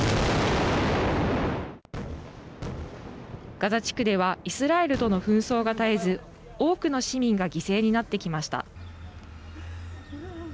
ガザ地区ではイスラエルとの紛争が絶えず多くの市民が犠牲になってきました。